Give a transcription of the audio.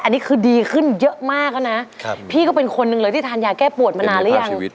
อันนี้คือดีขึ้นเยอะมากแล้วนะพี่ก็เป็นคนหนึ่งเลยที่ทานยาแก้ปวดมานานหรือยัง